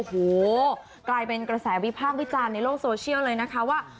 โอ้โหกลายเป็นกระแสวิพากษ์วิจารณ์ในโลกโซเชียลเลยนะคะว่า